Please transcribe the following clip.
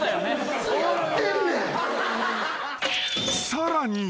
［さらに。